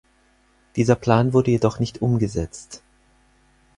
Dieser Plan wurde jedoch nicht umgesetzt.